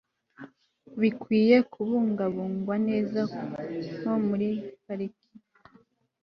bikwiye kubungabungwa neza nko muri parike